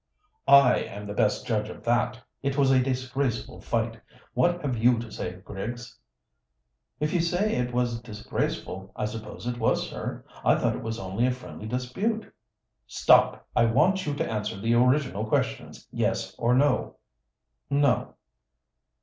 "I am the best judge of that. It was a disgraceful fight. What have you to say, Griggs?" "If you say it was disgraceful I suppose it was, sir. I thought it was only a friendly dispute " "Stop! I want you to answer the original questions, yes, or no." "No."